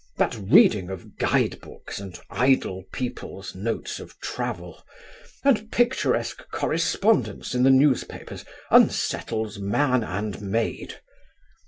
That reading of guide books, and idle people's notes of Travel, and picturesque correspondence in the newspapers, unsettles man and maid.